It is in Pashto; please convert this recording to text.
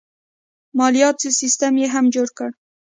مالیاتي سیستم یې هم جوړ کړ.